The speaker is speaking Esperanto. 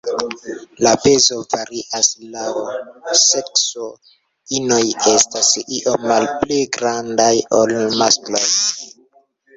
La pezo varias laŭ sekso, inoj estas iom malpli grandaj ol maskloj.